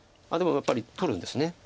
でもやっぱり取るんですね。